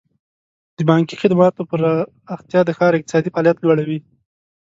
د بانکي خدماتو پراختیا د ښار اقتصادي فعالیت لوړوي.